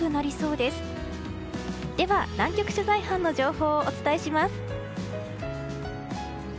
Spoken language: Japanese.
では、南極取材班の情報をお伝えします。